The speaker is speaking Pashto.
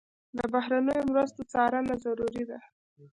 د بهرنیو مرستو څارنه ضروري ده.